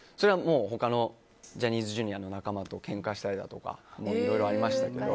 他のジャニーズＪｒ．の仲間とけんかしたりだとかいろいろありましたけど。